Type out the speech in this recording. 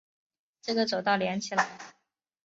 这个走道连起来